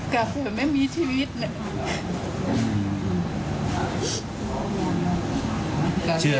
กลับเผื่อไม่มีชีวิตเลย